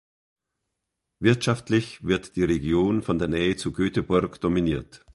Wirtschaftlich wird die Region von der Nähe zu Göteborg dominiert.